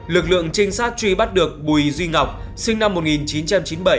lực lượng trinh sát truy bắt được bùi duy ngọc sinh năm một nghìn chín trăm chín mươi bảy